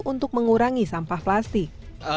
untuk mengurangi sampah plastik